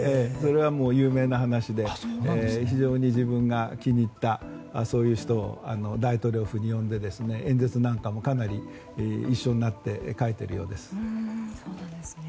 それは有名な話で非常に自分が気に入ったそういう人を大統領府に呼んで演説なんかもかなり一緒になって書いているようです。